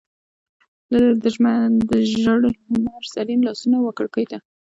د ژړ لمر زرین لاسونه وکړکۍ ته،